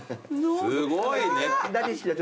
すごいね！